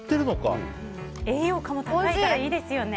栄養価も高いからいいですよね。